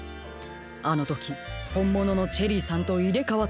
あのときほんもののチェリーさんといれかわったのでしょう。